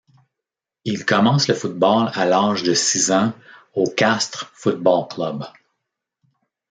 Il commence le football à l'âge de six ans au Castres Football Club.